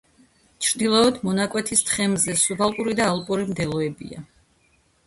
ჩრდილოეთ მონაკვეთის თხემზე სუბალპური და ალპური მდელოებია.